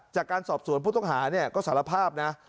จากการสอบสวนผู้ต้องหาเนี่ยก็สารภาพนะ